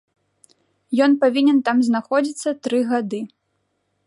Ён павінен там знаходзіцца тры гады.